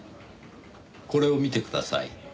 これを見てください。